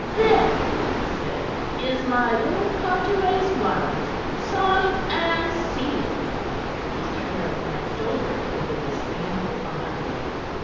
"There," said he, "is my Lord Carteret's warrant, signed and sealed." Mr. Caryll glanced over it with a disdainful eye.